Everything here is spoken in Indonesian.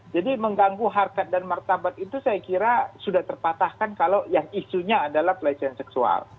jadi mengganggu harkat dan martabat itu saya kira sudah terpatahkan kalau yang isunya adalah pelecehan seksual